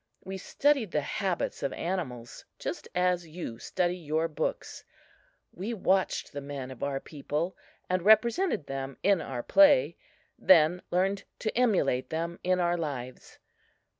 We studied the habits of animals just as you study your books. We watched the men of our people and represented them in our play; then learned to emulate them in our lives.